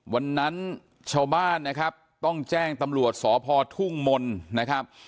วันนั้นชาวบ้านนะครับต้องแจ้งตำรวจสพทุ่งมนต์นะครับ